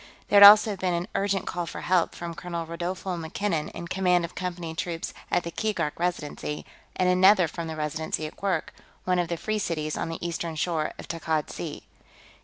There had also been an urgent call for help from Colonel Rodolfo MacKinnon, in command of Company troops at the Keegark Residency, and another from the Residency at Kwurk, one of the Free Cities on the eastern shore of Takkad Sea.